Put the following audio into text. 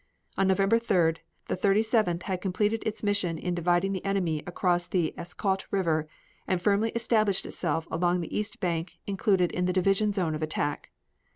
On November 3d the Thirty seventh had completed its mission in dividing the enemy across the Escaut River and firmly established itself along the east bank included in the division zone of action.